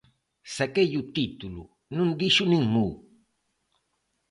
Saqueille o título... Non dixo nin mu.